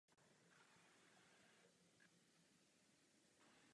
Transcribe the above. Pohonný systém zůstal beze změny.